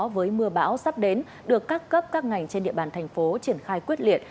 với mưa bão sắp đến được các cấp các ngành trên địa bàn thành phố triển khai quyết liệt